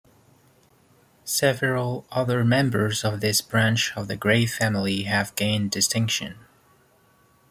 Several other members of this branch of the Grey family have gained distinction.